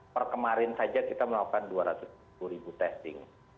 per kemarin saja kita melakukan dua ratus sepuluh ribu testing